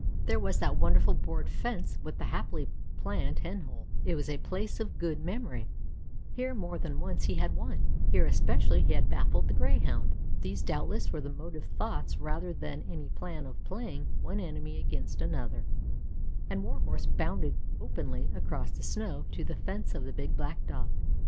There was that wonderful board fence with the happily planned hen hole. It was a place of good memory here more than once he had won, here especially he had baffled the Greyhound. These doubtless were the motive thoughts rather than any plan of playing one enemy against another, and Warhorse bounded openly across the snow to the fence of the big black Dog.